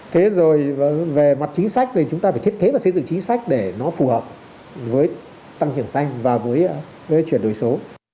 thế rồi về mặt chính sách thì chúng ta phải thiết kế và xây dựng chính sách để nó phù hợp với tăng trưởng xanh và với chuyển đổi số